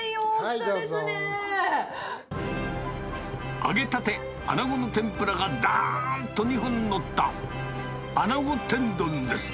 揚げたてあなごの天ぷらがどーんと２本載った、あなご天丼です。